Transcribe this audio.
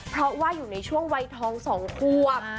เพราะว่าอยู่ในช่วงวัยทอง๒ควบ